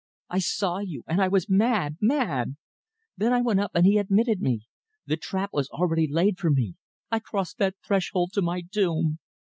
I saw you, and I was mad mad! Then I went up, and he admitted me. The trap was already laid for me. I crossed that threshold to my doom!"